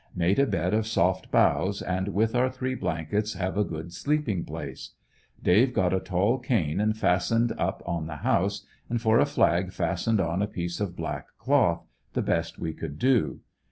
Made a bed of soft boughs, and with our three blankets have a good sleeping place. Dave got a tall cane and fastened up on the house, and for a flag fastened on a piece or black cloth — the best wx could do.